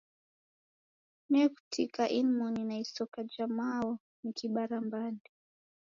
Nekutika inmoni na isoka ja mao nikibara mbande